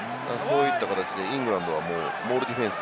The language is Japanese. そういった形でイングランドはモールディフェンス。